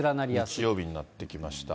日曜日になってきました。